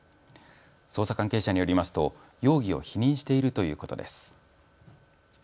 捜査関係者によりますと容疑を否認しているということです。